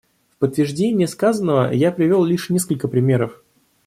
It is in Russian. В подтверждение сказанного я привел лишь несколько примеров.